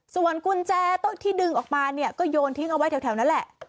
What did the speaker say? ส่วนกุญแจต้นที่ดึงออกมาเนี่ยก็โยนทิ้งเอาไว้แถวนั้นแหละ